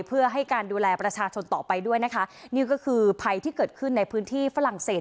เพื่อให้การดูแลประชาชนต่อไปด้วยนะคะนี่ก็คือภัยที่เกิดขึ้นในพื้นที่ฝรั่งเศส